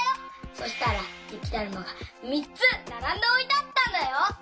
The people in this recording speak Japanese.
そしたらゆきだるまがみっつならんでおいてあったんだよ。